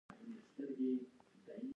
دماغ ټولو هوښیار سلطان دی.